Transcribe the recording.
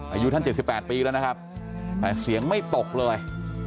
อายุท่าน๗๘ปีแล้วนะครับแต่เสียงไม่ตกเลย